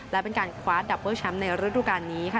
และเป็นการคว้าดับเบิ้ลแชมป์ในฤดูการนี้ค่ะ